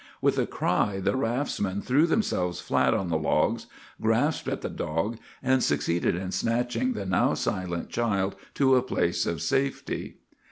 "With a cry the raftsmen threw themselves flat on the logs, grasped at the dog, and succeeded in snatching the now silent child to a place of safety.